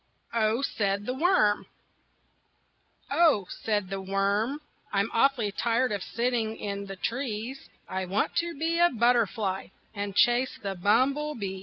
OH, SAID THE WORM "Oh," said the worm, "I'm awfully tired of sitting in the trees; I want to be a butterfly And chase the bumblebees."